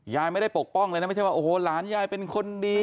ยายไม่ได้ปกป้องเลยนะไม่ใช่ว่าโอ้โหหลานยายเป็นคนดี